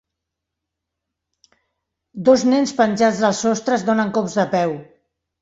Dos nens penjats del sostre es donen cops de peu.